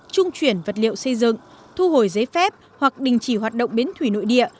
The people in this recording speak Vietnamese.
trung chuyển vật liệu xây dựng thu hồi giấy phép hoặc đình chỉ hoạt động bến thủy nội địa